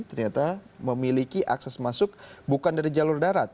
ternyata memiliki akses masuk bukan dari jalur darat